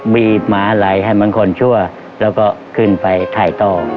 บีบหมาไหลให้มันคนชั่วแล้วก็ขึ้นไปถ่ายต่อ